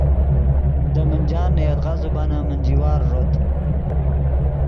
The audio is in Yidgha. دے منجان نے یدغا زبانن منجی وار ݱوت